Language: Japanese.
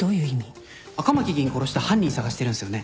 赤巻議員殺した犯人捜してるんすよね？